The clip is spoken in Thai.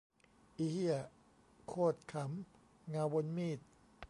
อีเหี้ย โคตรขรรม เงาบนมีด